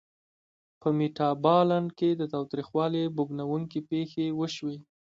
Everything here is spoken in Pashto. په میتابالنډ کې د تاوتریخوالي بوږنوونکې پېښې وشوې.